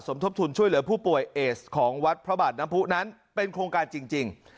ทบทุนช่วยเหลือผู้ป่วยเอสของวัดพระบาทน้ำผู้นั้นเป็นโครงการจริง